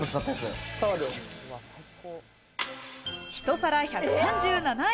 ひと皿１３７円。